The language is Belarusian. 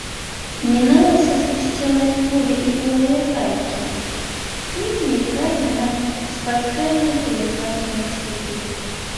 Міналася спусцелае поле і голыя гайкі, і мільгалі на спатканне тэлеграфныя слупы.